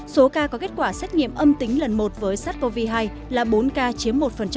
số ca có kết quả xét nghiệm âm tính lần một với sars cov hai là bốn ca chiếm một